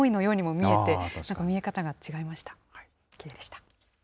きれいでした。